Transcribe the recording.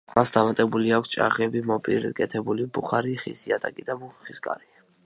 მას დამატებული აქვს ჭაღები, მოპირკეთებული ბუხარი, ხის იატაკი და მუხის კარი.